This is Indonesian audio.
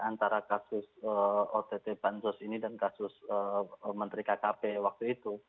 antara kasus ott bansos ini dan kasus menteri kkp waktu itu